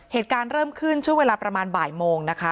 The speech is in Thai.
เหตุการณ์เริ่มขึ้นช่วงเวลาประมาณบ่ายโมงนะคะ